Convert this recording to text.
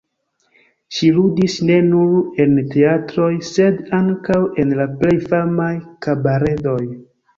Ŝi ludis ne nur en teatroj, sed ankaŭ en la plej famaj kabaredoj.